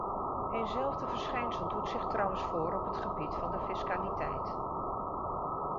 Eenzelfde verschijnsel doet zich trouwens voor op het gebied van de fiscaliteit.